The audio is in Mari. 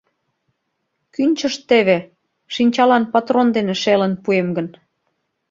Кӱнчышт теве, шинчалан патрон дене шелын пуэм гын...